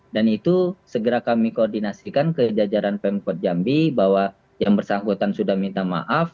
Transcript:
dan itu segera kami koordinasikan ke jajaran pemkot jambi bahwa yang bersangkutan sudah minta maaf